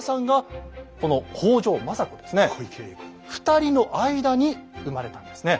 ２人の間に産まれたんですね。